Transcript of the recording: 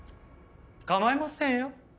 構いませんよ。